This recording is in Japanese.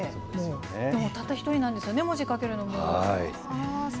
たった一人なんですよね、文字書けるのも。